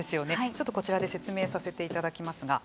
ちょっとこちらで説明させていただきますが。